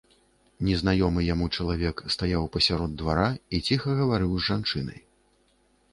Незнаёмы яму чалавек стаяў пасярод двара і ціха гаварыў з жанчынай.